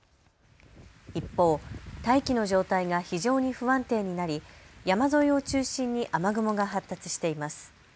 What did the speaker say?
一方、大気の状態が非常に不安定になり山沿いを中心に雨雲が発達しています。